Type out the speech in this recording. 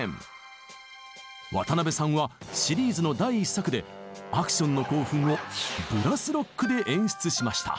渡辺さんはシリーズの第１作でアクションの興奮をブラス・ロックで演出しました。